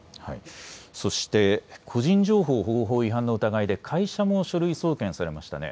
そして個人情報保護法違反の疑いで会社も書類送検されましたね。